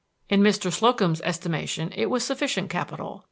In Mr. Slocum's estimation it was sufficient capital.